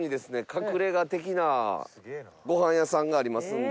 隠れ家的なご飯屋さんがありますので。